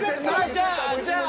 じゃあじゃあ。